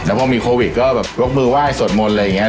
พอมีโควิดก็แบบยกมือไหว้สวดมนต์อะไรอย่างนี้